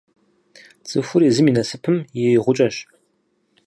Цӏыхур езым и насыпым и «гъукӏэщ».